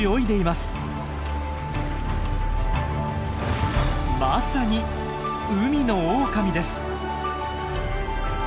まさに海のオオカミです！